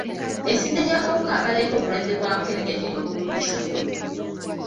Emisinde gy'akawuka akaleeta obulwadde bwa mukenenya giri waggulu mu kitundu.